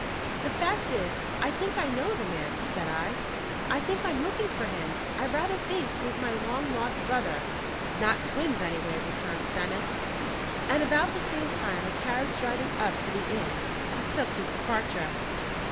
"The fact is, I think I know the man," said I. "I think I'm looking for him. I rather think he is my long lost brother." "Not twins, anyway," returned Stennis. And about the same time, a carriage driving up to the inn, he took his departure.